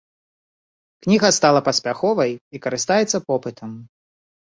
Кніга стала паспяховай і карыстаецца попытам.